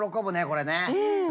これね。